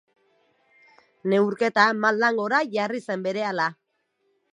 Neurketa maldan gora jarri zen berehala.